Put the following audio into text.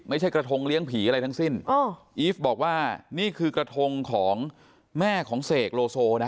ไม่ใช่กระทงเลี้ยงผีอะไรทั้งสิ้นอีฟบอกว่านี่คือกระทงของแม่ของเสกโลโซนะ